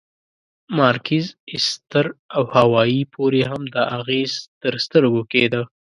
مارکیز، ایستر او هاوایي پورې هم دا اغېز تر سترګو کېده.